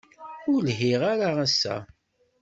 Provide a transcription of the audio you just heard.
Ur lhiɣ ara ass-a.